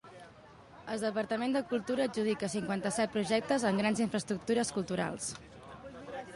"El Departament de Cultura adjudica cinquanta-set projectes en grans infraestructures culturals"